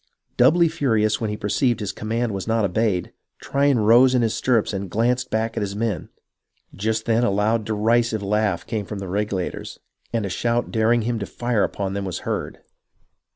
Doubly furious when he perceived that his command was not obeyed, Tryon rose in his stirrups and glanced back at his men. Just then a loud derisive laugh came from the Regulators, and a shout daring him to fire upon them was heard.